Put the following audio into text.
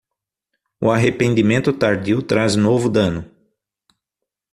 O arrependimento tardio traz novo dano.